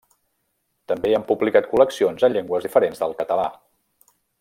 També han publicat col·leccions en llengües diferents del català.